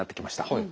はい。